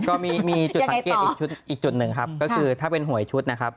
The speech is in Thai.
ก็มีจุดสังเกตอีกชุดอีกจุดหนึ่งครับก็คือถ้าเป็นหวยชุดนะครับ